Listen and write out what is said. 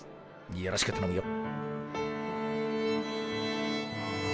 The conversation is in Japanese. よろしくたのむよ。